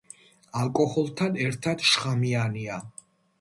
ალკოჰოლთან ერთად შხამიანია.